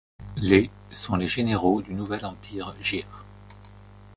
Les sont les généraux du nouvel empire Gear.